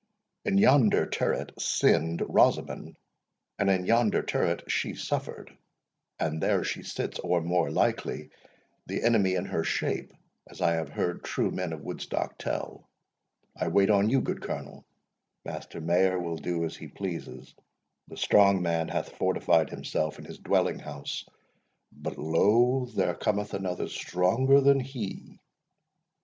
In yonder turret sinned Rosamond, and in yonder turret she suffered; and there she sits, or more likely, the Enemy in her shape, as I have heard true men of Woodstock tell. I wait on you, good Colonel—Master Mayor will do as he pleases. The strong man hath fortified himself in his dwelling house, but lo, there cometh another stronger than he."